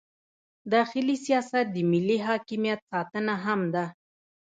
داخلي سیاست د ملي حاکمیت ساتنه هم ده.